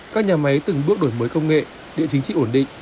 các nhà máy từng bước đổi mới công nghệ địa chính trị ổn định